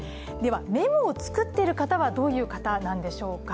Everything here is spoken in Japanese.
メモを作っている方はどういう方なんでしょうか。